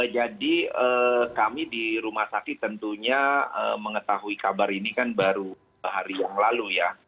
jadi kami di rumah sakit tentunya mengetahui kabar ini kan baru sehari yang lalu ya